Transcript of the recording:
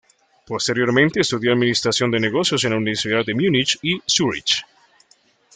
Posteriormente estudió administración de negocios en la Universidad de Múnich y en Zúrich.